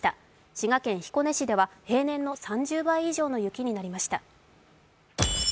滋賀県彦根市では平年の３０倍以上の雪になりました。